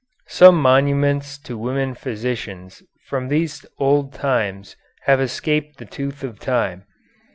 Some monuments to women physicians from these old times have escaped the tooth of time.